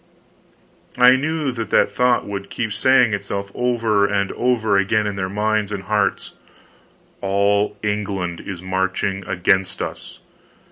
I knew that that thought would keep saying itself over and over again in their minds and hearts, _All England is marching against us!